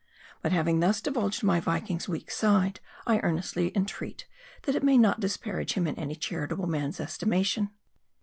But having thus divulged my Viking's weak side, I earnestly entreat, that it may not disparage him in any charitable man's estimation.